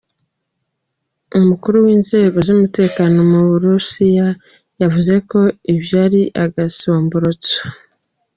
Umukuru w'inzego z'umutekano mu Burusiya yavuze ko ivyo ari agasomborotso.